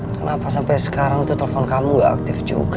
kenapa sampai sekarang itu telepon kamu gak aktif juga